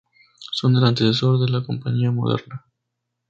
Son el antecesor de la compañía moderna.